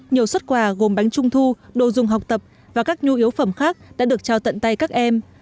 nhiều xuất quà gồm bánh trung thu đồ dùng học tập và các nhu yếu phẩm khác đã được trao tận tay các em